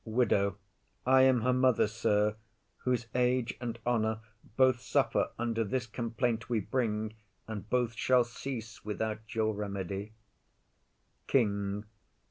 WIDOW. I am her mother, sir, whose age and honour Both suffer under this complaint we bring, And both shall cease, without your remedy. KING.